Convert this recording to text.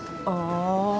emak udah tau belum